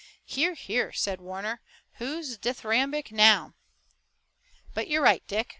"Hear! hear!" said Warner. "Who's dithyrambic now? But you're right, Dick.